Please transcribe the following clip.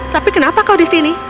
tapi kenapa kau di sini